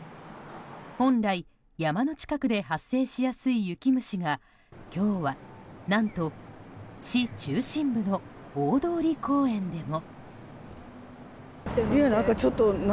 本来、山の近くで発生しやすい雪虫が今日は何と市中心部の大通公園でも。